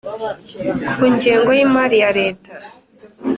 Ku ngengo y imari ya leta